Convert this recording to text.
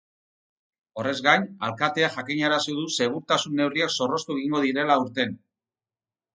Horrez gain, alkateak jakinarazi du segurtasun neurriak zorroztu egingo direla aurten.